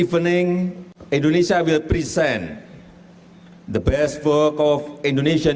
malam ini indonesia akan menghadirkan kerja terbaik para penduduk indonesia